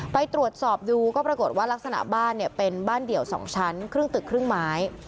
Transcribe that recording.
ไปตรวจสอบดูก็ปรากฏว่ารักษณะบ้านเนี่ยเป็นบ้านเดี่ยว๒ชั้นครึ่งตึกครึ่งไม้